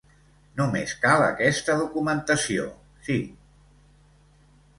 Només cal aquesta documentació, sí.